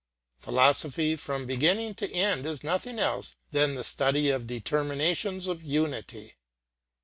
Philosophy from beginning to end is nothing else than the study of determinations of unity.